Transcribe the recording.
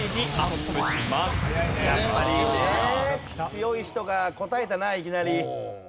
強い人が答えたないきなり。